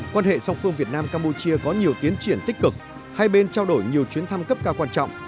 quan hệ song phương việt nam campuchia có nhiều tiến triển tích cực hai bên trao đổi nhiều chuyến thăm cấp cao quan trọng